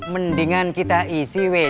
mendingan kita isi weh